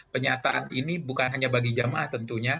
penyataan ini bukan hanya bagi jamaah tentunya